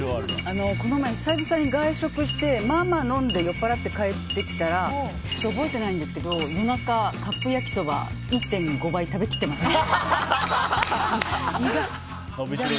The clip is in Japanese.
この前、久々に外食してまあまあ飲んで酔っぱらって帰ってきたら覚えていないんですけど夜中、カップ焼きそば１．５倍食べきってました。